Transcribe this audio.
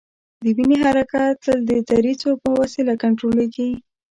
د وینې حرکت تل د دریڅو په وسیله کنترولیږي.